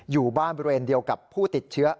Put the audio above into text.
อยู่บ้านบริเวณเดียวกับผู้ติดเชื้อ